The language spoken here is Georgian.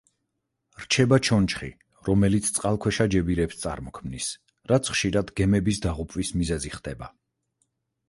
რჩება ჩონჩხი, რომელიც წყალქვეშა ჯებირებს წარმოქმნის, რაც ხშირად გემების დაღუპვის მიზეზი ხდება.